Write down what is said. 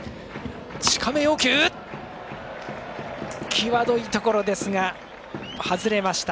際どいところですが外れました。